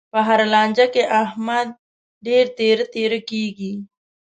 په هره لانجه کې، احمد ډېر تېره تېره کېږي.